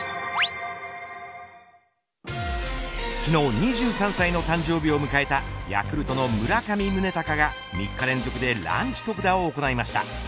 昨日、２３歳の誕生日を迎えたヤクルトの村上宗隆が３日連続でランチ特打を行いました。